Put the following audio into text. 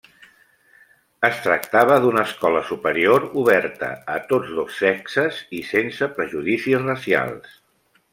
Es tractava d'una escola superior oberta a tots dos sexes i sense prejudicis racials.